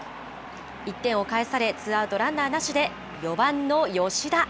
１点をかえされ、ツーアウトランナーなしで４番の吉田。